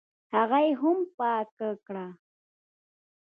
هغه یې هم پاکه کړه.